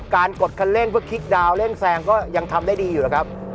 กดคันเร่งเพื่อคลิกดาวนเร่งแซงก็ยังทำได้ดีอยู่แล้วครับ